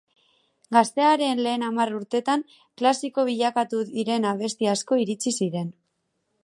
Gaztearen lehen hamar urtetan, klasiko bilakatu diren abesti asko iritsi ziren.